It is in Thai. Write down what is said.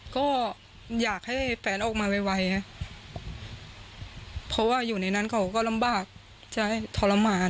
ก็อยากให้แฟนออกมาไวไงเพราะว่าอยู่ในนั้นเขาก็ลำบากจะให้ทรมาน